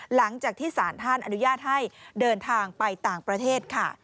หลังจากที่สารท่านอนุญาตให้เดินทางไปต่างประเทศค่ะ